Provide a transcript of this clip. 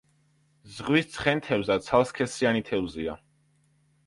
ზღვის ცხენთევზა ცალსქესიანი თევზია.